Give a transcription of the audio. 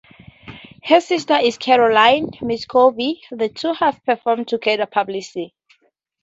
Her sister is Carolina Miskovsky; the two have performed together publicly.